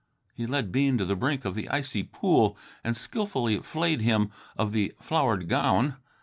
He led Bean to the brink of the icy pool and skilfully flayed him of the flowered gown.